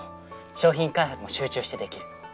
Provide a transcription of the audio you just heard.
商品開発も集中してできる。